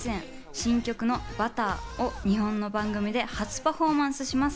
新曲の『Ｂｕｔｔｅｒ』を日本の番組で初めて生パフォーマンスします。